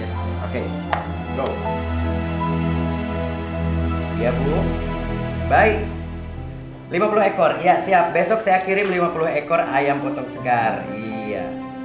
ya bu baik lima puluh ekor iya siap besok saya kirim lima puluh ekor ayam potong segar iya